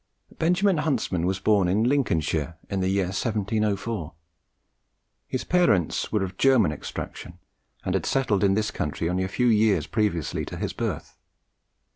Benjamin Huntsman was born in Lincolnshire in the year 1704. His parents were of German extraction, and had settled in this country only a few years previous to his birth.